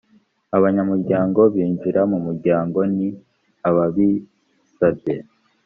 abanyamuryango binjira mu muryango ni ababisabye